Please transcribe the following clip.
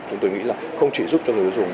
chúng tôi nghĩ là không chỉ giúp cho người tiêu dùng